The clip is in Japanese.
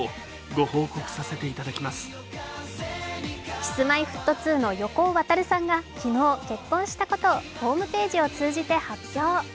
Ｋｉｓ−Ｍｙ−Ｆｔ２の横尾渉さんが昨日、結婚したことをホームページを通じて発表。